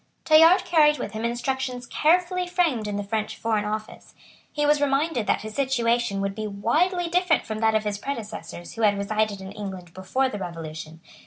Tallard carried with him instructions carefully framed in the French Foreign Office. He was reminded that his situation would be widely different from that of his predecessors who had resided in England before the Revolution.